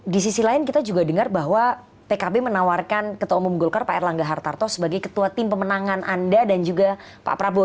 di sisi lain kita juga dengar bahwa pkb menawarkan ketua umum golkar pak erlangga hartarto sebagai ketua tim pemenangan anda dan juga pak prabowo